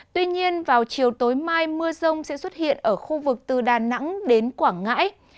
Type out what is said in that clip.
tuy nhiên vào chiều tối mai mưa rông sẽ xuất hiện ở khu vực từ đà nẵng đến quảng ngãi